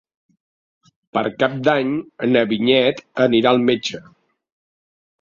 Per Cap d'Any na Vinyet anirà al metge.